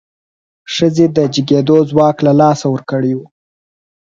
ښځې د جګېدو ځواک له لاسه ورکړی و.